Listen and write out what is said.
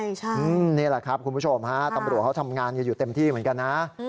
ใช่นี่แหละครับคุณผู้ชมฮะตำรวจเขาทำงานกันอยู่เต็มที่เหมือนกันนะ